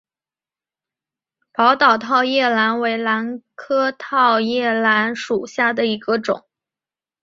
宝岛套叶兰为兰科套叶兰属下的一个种。